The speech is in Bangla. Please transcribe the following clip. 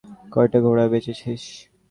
কয়টা ঘোড়া বেচেছিস?